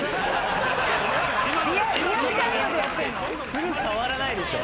すぐ変わらないでしょ！